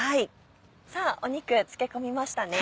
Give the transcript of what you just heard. さぁ肉漬け込みましたね。